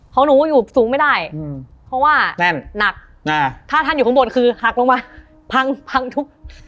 ของหนูอยู่สูงไม่ได้เพราะว่าแน่นหนักถ้าท่านอยู่ข้างบนคือหักลงมาพังพังทุก